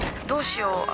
どうしよう？